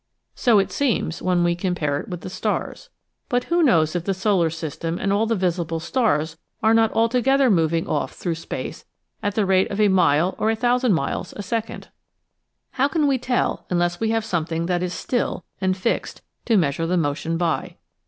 So it seems when we compare it with the stars. But who knows if the solar system and all the visible stars are not altogether moving off through space at the rate of a mile or a thousand miles a second? How can we tell unless we have something that is still and fixed to measure the motion by?